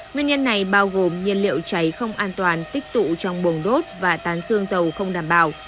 nguyên nhân này bao gồm nhiên liệu cháy không an toàn tích tụ trong buồng đốt và tan xương dầu không đảm bảo